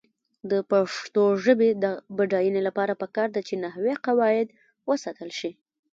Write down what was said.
د پښتو ژبې د بډاینې لپاره پکار ده چې نحوي قواعد وساتل شي.